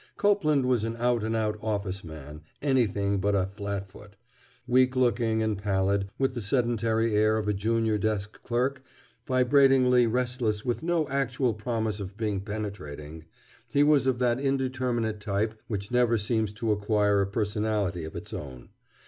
Copeland was an out and out "office" man, anything but a "flat foot." Weak looking and pallid, with the sedentary air of a junior desk clerk, vibratingly restless with no actual promise of being penetrating, he was of that indeterminate type which never seems to acquire a personality of its own.